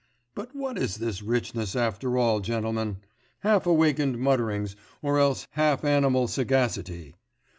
But what is this richness, after all, gentlemen? Half awakened mutterings or else half animal sagacity.